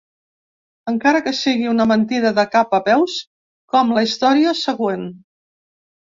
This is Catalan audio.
Encara que sigui una mentida de cap a peus, com la història següent.